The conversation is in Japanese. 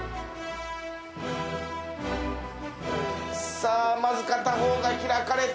さあまず片方が開かれた。